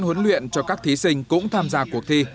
hướng dẫn huấn luyện cho các thí sinh cũng tham gia cuộc thi